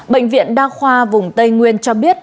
bệnh viện đa khoa vùng tây nguyên cho biết